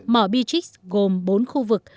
mỏ beatrix gồm bốn khu vực